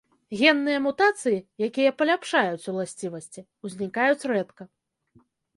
Генныя мутацыі, якія паляпшаюць уласцівасці, узнікаюць рэдка.